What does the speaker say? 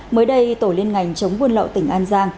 mới đây tổ liên ngành chống buôn lậu tỉnh an giang